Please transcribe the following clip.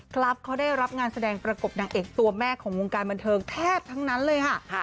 ครับเขาได้รับงานแสดงประกบนางเอกตัวแม่ของวงการบันเทิงแทบทั้งนั้นเลยค่ะ